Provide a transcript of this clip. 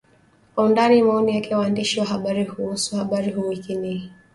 Kwa undani Maoni ya waandishi wa habari kuhusu habari kuu wiki hii